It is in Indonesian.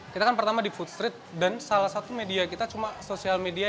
kita kan pertama di food street dan salah satu media kita cuma sosial media